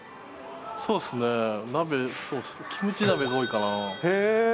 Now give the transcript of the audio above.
そうっすね、鍋、キムチ鍋が多いかな。